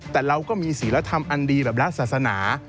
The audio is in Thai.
แต่เราก็มีศิลธรรมอันดีแบบรัฐศาสนา